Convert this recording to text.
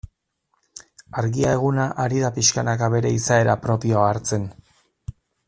Argia eguna ari da pixkanaka bere izaera propioa hartzen.